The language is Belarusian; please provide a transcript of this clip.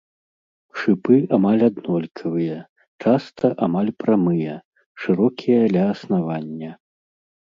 Шыпы амаль аднолькавыя, часта амаль прамыя, шырокія ля аснавання.